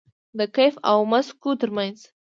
د کیف او مسکو ترمنځ